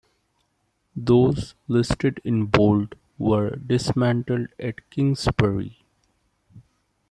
Those listed in bold were dismantled at Kingsbury.